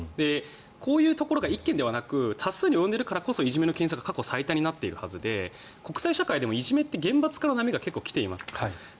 こういうのが１件だけではなく多数に及んでいるからこそいじめの件数が過去最多になっているはずで国際社会でもいじめって厳罰化の波が結構来ています。